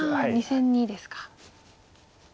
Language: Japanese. ２線にですか。